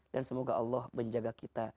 dan semoga allah menjaga kita